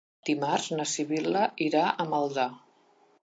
Dimarts na Sibil·la irà a Maldà.